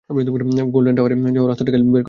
Golden টাওয়ারে যাওয়ার রাস্তাটা খালি করো!